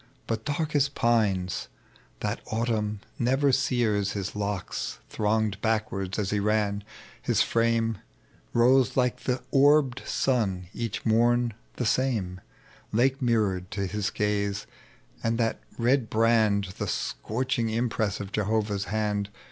But dark as pines that autumn never sears His locks thronged backward as he ran, his frame Rose like the orbSd sun each morn the same, Lake mirrored to his gaze ; and that red brand. The scorching impress of Jehovah's hand.